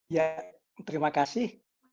ya terima kasih